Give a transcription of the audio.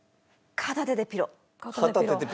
片手でピロ。